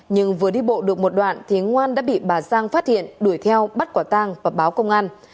nhưng vừa đi bộ được một đoạn thì ngoan đã bị bà giang phát hiện đuổi theo bắt quả tang và báo công an